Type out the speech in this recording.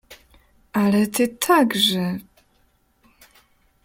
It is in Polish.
— Ale ty także…